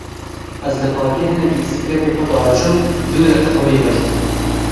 Ez li parkê hinekî bisikletê xwe diajom, dû re qehweyê vedixwim.